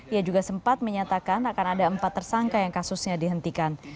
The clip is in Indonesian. ia juga sempat menyatakan akan ada empat tersangka yang kasusnya dihentikan